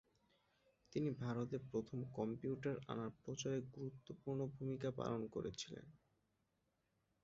তিনি ভারতে প্রথম কম্পিউটার আনার প্রচারে গুরুত্বপূর্ণ ভূমিকা পালন করেছিল।